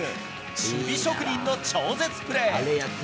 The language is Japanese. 守備職人の超絶プレー。